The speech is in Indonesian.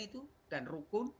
itu dan rukun